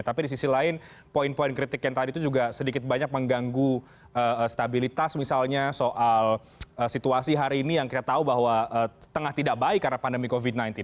tapi di sisi lain poin poin kritik yang tadi itu juga sedikit banyak mengganggu stabilitas misalnya soal situasi hari ini yang kita tahu bahwa tengah tidak baik karena pandemi covid sembilan belas